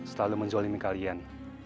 selalu menzalimi kalian